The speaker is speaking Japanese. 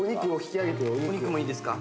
お肉もいいですか？